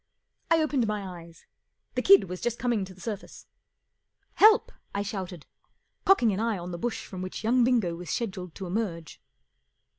I opened my eyes. The kid was just coming to the surface. 44 Help !" I shouted, cocking an eye on the bush from which young Bingo was scheduled to emerge.